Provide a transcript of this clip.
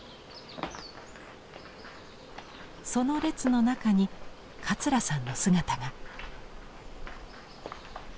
その列の中に桂さんの姿が。